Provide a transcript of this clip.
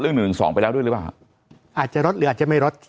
หนึ่งหนึ่งสองไปแล้วด้วยหรือเปล่าฮะอาจจะลดหรืออาจจะไม่ลด